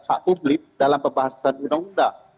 hak publik dalam pembahasan undang undang